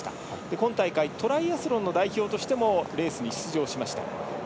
今大会トライアスロンの代表としてもレースに出場しました。